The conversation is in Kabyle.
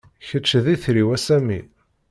Kečč d itri-w, a Sami.